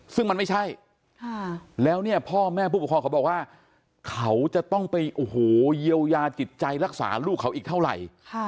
ซึ่งมันไม่ใช่แล้วเนี่ยพ่อแม่ผู้ปกครองเขาบอกว่าเขาจะต้องไปโอ้โหเยียวยาจิตใจรักษาลูกเขาอีกเท่าไหร่